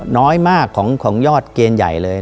น้อยมากของยอดเกณฑ์ใหญ่เลย